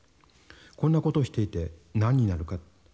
こんなことをしていて何になるか？」